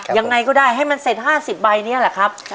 ยังไงก็ได้ให้มันเสร็จห้าสิบใบเนี่ยแหละครับ